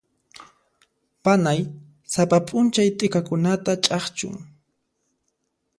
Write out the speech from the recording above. Panay sapa p'unchay t'ikakunata ch'akchun.